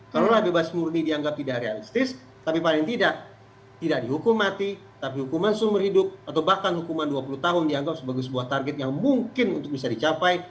kalau bebas murni dianggap tidak realistis tapi paling tidak tidak dihukum mati tapi hukuman seumur hidup atau bahkan hukuman dua puluh tahun dianggap sebagai sebuah target yang mungkin untuk bisa dicapai